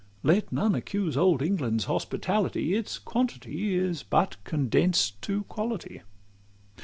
Let none accuse Old England's hospitality Its quantity is but condensed to quality.